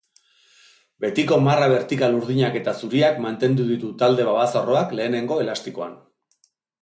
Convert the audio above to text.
Betiko marra bertikal urdinak eta zuriak mantendu ditu talde babazoroak lehenengo elastikoan.